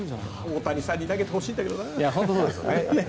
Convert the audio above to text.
大谷さんに投げてほしいんだけどな。